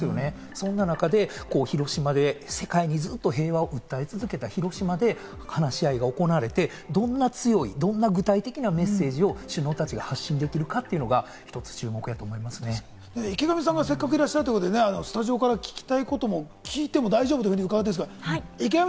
そんな中で広島で、世界にずっと平和を訴え続けた広島で、話し合いが行われて、どんな強い、どんな具体的なメッセージを首脳たちが発信できるのかというのが池上さんがせっかくいらっしゃるということで、スタジオから聞きたいことを聞いても大丈夫だということで伺います。